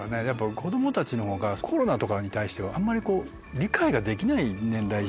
子供たちのほうがコロナとかに対しては理解ができない年代